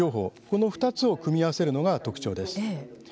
この２つを組み合わせるのが特徴です。